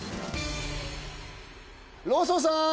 ローソンさん